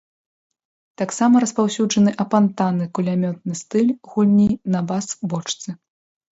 Таксама распаўсюджаны апантаны, кулямётны стыль гульні на бас-бочцы.